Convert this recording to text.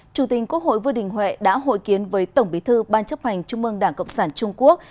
chủ tình quốc hội vương đình huệ đã hội kiến với tổng bí thư ban chấp hành trung mương đảng cộng sản trung quốc